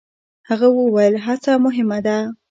هغه وویل، هڅه مهمه ده.